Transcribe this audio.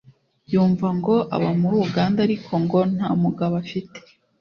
yumva ngo aba muri Uganda ariko ngo nta mugabo afite